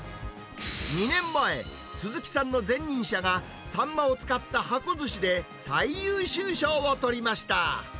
２年前、鈴木さんの前任者が、サンマを使った箱寿司で最優秀賞を取りました。